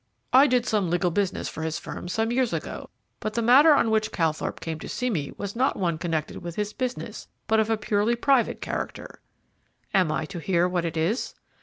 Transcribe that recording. I did some legal business for his firm some years ago, but the matter on which Calthorpe came to see me was not one connected with his business, but of a purely private character." "Am I to hear what it is?"